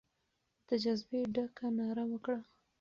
د جذبې ډکه ناره وکړه.